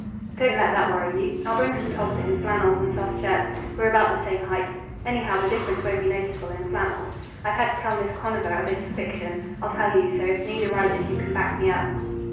"Don't let that worry you. I'll bring some togs in; flannels and soft shirts. We're about the same height. Anyhow, the difference won't be noticeable in flannels. I've had to tell Miss Conover a bit of fiction. I'll tell you, so if need arises you can back me up."